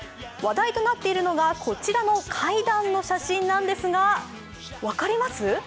話題となっているのがこちらの階段の写真なんですが分かります？